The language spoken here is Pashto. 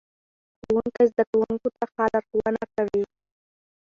ښوونکی زده کوونکو ته ښه لارښوونه کوي